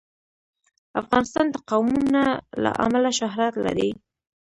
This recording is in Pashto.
افغانستان د قومونه له امله شهرت لري.